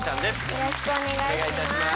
よろしくお願いします。